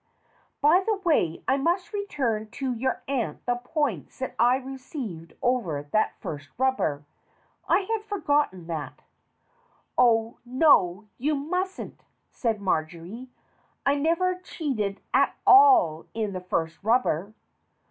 By the way, I must return to your aunt the points that I received over that first rubber. I had forgotten that." "Oh, no, you mustn't!" said Marjory. "I never cheated at all in the first rubber."